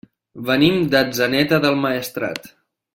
Venim d'Atzeneta del Maestrat.